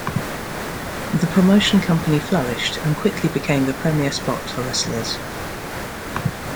The promotion company flourished and quickly became the premier spot for wrestlers.